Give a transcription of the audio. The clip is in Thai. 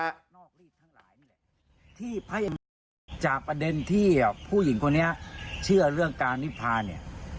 และนอกรีดทั้งหลายนี่แหละที่พยายามจากประเด็นที่ผู้หญิงคนนี้เชื่อเรื่องการนิพาเนี่ย